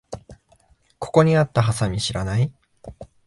ここにあったハサミ知らない？